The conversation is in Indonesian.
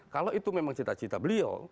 kalau itu memang cita cita beliau